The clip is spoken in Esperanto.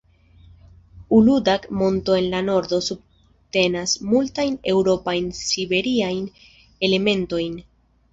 Uludag-Monto, en la nordo, subtenas multajn eŭropajn-siberiajn elementojn.